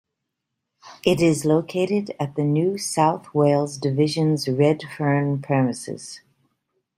It is located at the New South Wales division's Redfern premises.